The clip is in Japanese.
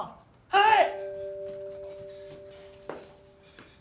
はい！